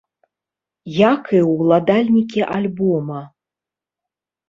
Як і ўладальнікі альбома.